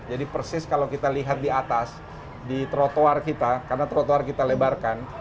jadi persis kalau kita lihat di atas di trotoar kita karena trotoar kita lebarkan